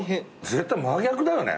絶対真逆だよね。